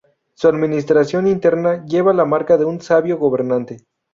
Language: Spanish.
Su administración interna lleva la marca de un sabio gobernante.